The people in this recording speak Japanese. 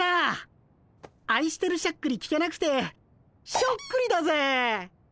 あいしてるしゃっくり聞けなくてしょっくりだぜ。